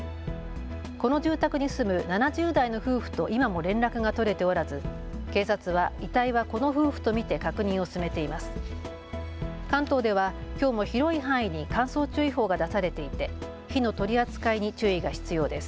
この住宅に住む７０代の夫婦と今も連絡が取れておらず警察は遺体はこの夫婦と見て確認を進めています。